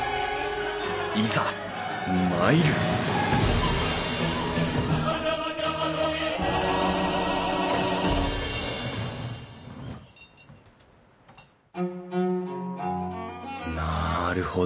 いざ参るなるほど。